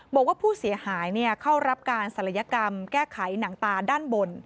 บอกว่าผู้เสียหายเข้ารับการศัลยกรรมแก้ไขหนังตาด้านบน